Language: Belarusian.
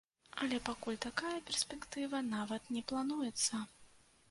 Але пакуль такая перспектыва нават не плануецца.